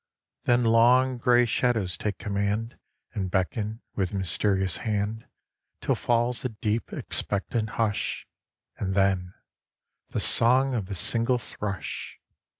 Then long, grey shadows take command And beckon with mysterious hand Till falls a deep, expectant hush, And then—the song of a single thrush.